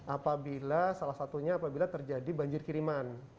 apabila salah satunya apabila terjadi banjir kiriman